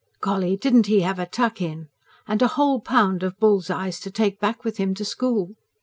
Golly, didn't he have a tuck in! And a whole pound of bull's eyes to take back with him to school!